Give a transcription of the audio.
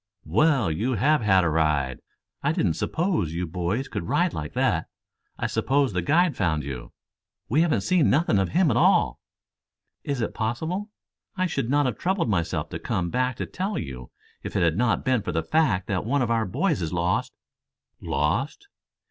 "Well, you have had a ride. I didn't suppose you boys could ride like that. I suppose the guide found you?" "We have seen nothing of him at all." "Is it possible? I should not have troubled myself to come back to tell you had it not been for the fact that one of our boys is lost." "Lost?"